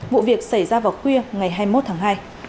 vụ việc xảy ra vào khuya ngày hai mươi một tháng hai